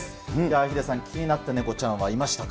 ヒデさん、気になったネコちゃんはいましたか？